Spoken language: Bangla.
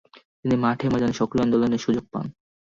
তিনি মাঠে-ময়দানে সক্রিয় আন্দোলনের সুযোগ পান।